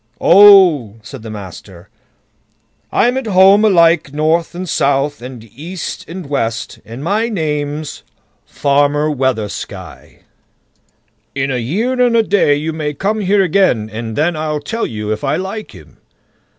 "Oh!" said the master, "I'm at home alike north and south, and east and west, and my name's Farmer Weathersky. In a year and a day you may come here again, and then I'll tell you if I like him."